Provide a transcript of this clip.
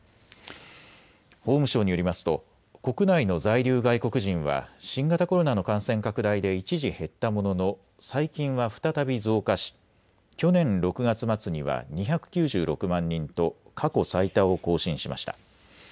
法務省によりますと国内の在留外国人は新型コロナの感染拡大で一時減ったものの最近は再び増加し去年６月末には２９６万人と過去最多を更新しました。